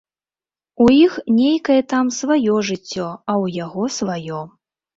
У іх нейкае там сваё жыццё, а ў яго сваё.